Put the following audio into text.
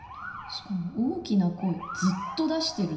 しかも大きな声ずっと出してるんですよね。